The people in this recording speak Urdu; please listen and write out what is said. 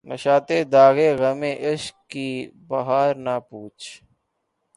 نشاطِ داغِ غمِ عشق کی بہار نہ پُوچھ